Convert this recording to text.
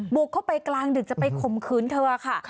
บุกเข้าไปกลางดึกจะไปข่มขืนเธอค่ะ